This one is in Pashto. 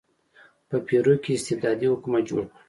په پیرو کې استبدادي حکومت جوړ کړ.